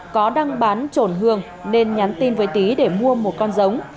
có đăng bán trồn hương nên nhắn tin với tý để mua một con giống